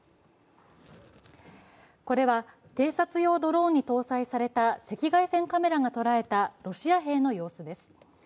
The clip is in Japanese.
これは、偵察用ドローンに搭載された赤外線カメラが捉えたロシア兵の様子です。